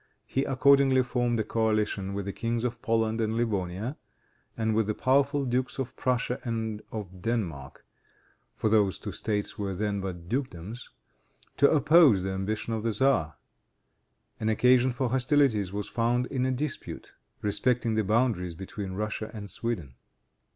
He accordingly formed a coalition with the Kings of Poland and Livonia, and with the powerful Dukes of Prussia and of Denmark, for those two States were then but dukedoms, to oppose the ambition of the tzar. An occasion for hostilities was found in a dispute, respecting the boundaries between Russia and Sweden.